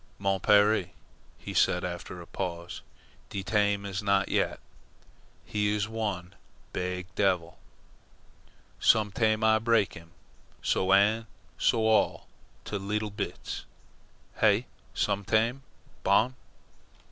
"Mon pere," he said after a pause, "de taim is not yet. He is one beeg devil. Some taim Ah break heem, so an' so, all to leetle bits. Hey? some taim. BON!"